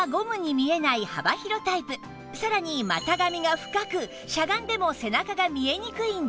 さらに股上が深くしゃがんでも背中が見えにくいんです